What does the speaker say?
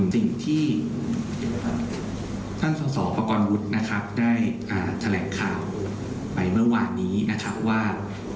ส่วนสิ่งที่ท่านสสปกรณ์วุฒิได้แถลกข่าวไปเมื่อวานนี้นะครับว่า